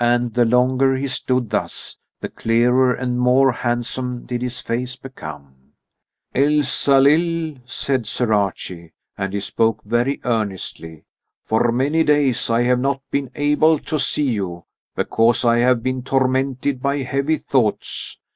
And the longer he stood thus, the clearer and more handsome did his face become. "Elsalill," said Sir Archie, and he spoke very earnestly, "for many days I have not been able to see you, because I have been tormented by heavy thoughts.